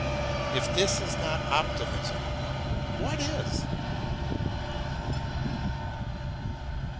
If this is not optimism, what is